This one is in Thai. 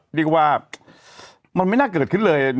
เรียกว่ามันไม่น่าเกิดขึ้นเลย